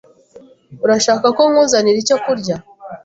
Urashaka ko nkuzanira icyo kurya?